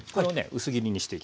薄切りにしていきます。